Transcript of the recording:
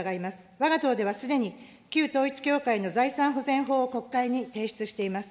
わが党ではすでに旧統一教会の財産保全法を国会に提出しています。